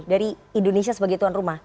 dari indonesia sebagai tuan rumah